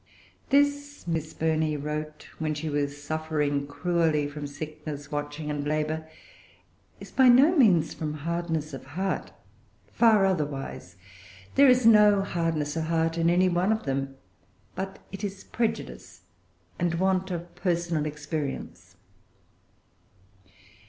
"This," Miss Burney wrote, when she was suffering cruelly from sickness, watching, and labor, "is by no means from hardness of heart; far otherwise. There is no hardness of heart in any one of them; but it is prejudice, and want of personal experience."